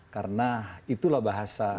karena itulah bahasa